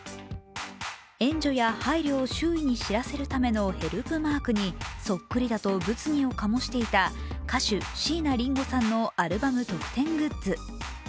援助や配慮を周囲に知らせるためのヘルプマークにそっくりだと物議を醸していた歌手・椎名林檎さんのアルバム特典グッズ。